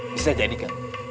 bisa jadi kang